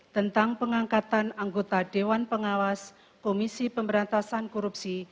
tentang pengangkatan anggota dewan pengawas komisi pemberantasan korupsi